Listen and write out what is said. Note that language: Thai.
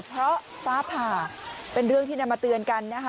เพราะฟ้าผ่าเป็นเรื่องที่นำมาเตือนกันนะคะ